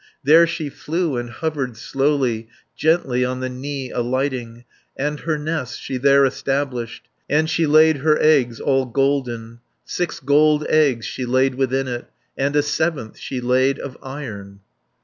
There she flew, and hovered slowly, Gently on the knee alighting, And her nest she there established, And she laid her eggs all golden, 210 Six gold eggs she laid within it, And a seventh she laid of iron.